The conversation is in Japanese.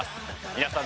皆さん